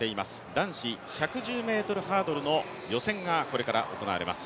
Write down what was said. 男子１１０ｍハードルの予選がこれから行われます。